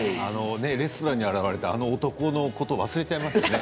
レストランに現れたあの男のこと忘れちゃいましたよね。